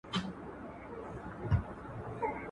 سندرې احساسات راژوندي کوي